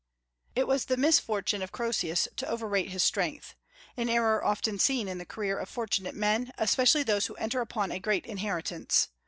It was the misfortune of Croesus to overrate his strength, an error often seen in the career of fortunate men, especially those who enter upon a great inheritance.